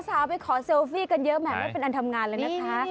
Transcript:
สาวไปขอเซลฟี่กันเยอะแหมไม่เป็นอันทำงานเลยนะคะ